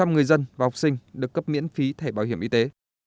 một trăm linh người dân và học sinh được cấp miễn phí thẻ bảo hiểm y tế